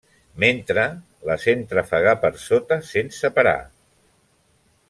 Mentre, la sent trafegar per sota sense parar.